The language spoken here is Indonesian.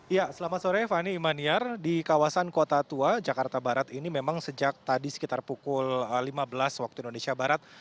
ya selamat sore fani imaniar di kawasan kota tua jakarta barat ini memang sejak tadi sekitar pukul lima belas waktu indonesia barat